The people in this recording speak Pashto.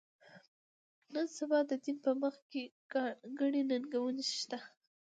نن سبا د دین په مخ کې ګڼې ننګونې شته.